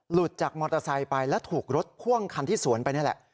หลุดจากมอเตอร์ไซค์ไปแล้วถูกรถพ่วงคันที่สวนไปนี่แหละ